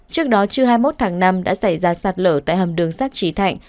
trước đó trưa hai mươi một tháng năm đã xảy ra sạt lở tại hầm đường sắt trí thạnh